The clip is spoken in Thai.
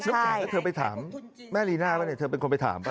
ถ้าเธอไปถามแม่รีน่าเป็นคนไปถามป่ะ